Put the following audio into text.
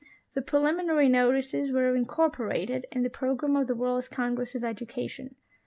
The preliminary notices' were incorporated in the program of the World's Congress of Education.